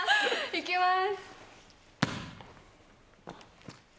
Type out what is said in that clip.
いきます。